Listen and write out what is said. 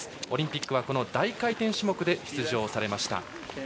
オリンピックはこの大回転種目で出場されました。